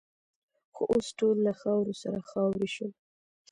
خو اوس ټول له خاورو سره خاوروې شول.